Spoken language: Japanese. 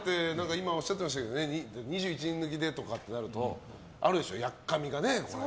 今おっしゃっていましたけど２１人抜きでってなるとあるでしょ、やっかみが。